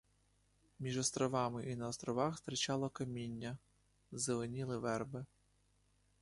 Між островами і на островах стирчало каміння, зеленіли верби.